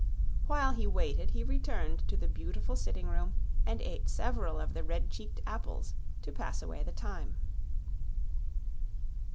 While he waited he returned to the beautiful sitting room and ate several of the red cheeked apples to pass away the time.